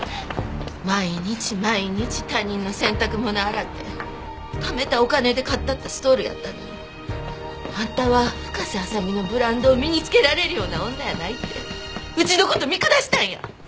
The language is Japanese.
毎日毎日他人の洗濯物洗って貯めたお金で買ったストールやったのにあんたは深瀬麻未のブランドを身に着けられるような女やないってうちの事見下したんや！